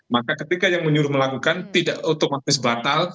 maka ketika yang menyuruh melakukan tidak otomatis batal